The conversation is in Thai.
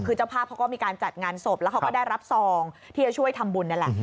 คือเจ้าภาพเขาก็มีการจัดงานศพแล้วเขาก็ได้รับซองที่จะช่วยทำบุญนั่นแหละ